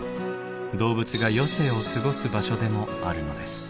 動物が余生を過ごす場所でもあるのです。